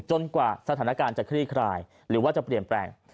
กว่าสถานการณ์จะคลี่คลายหรือว่าจะเปลี่ยนแปลง